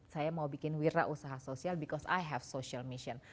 saya mau bikin wirausaha sosial because i have social mission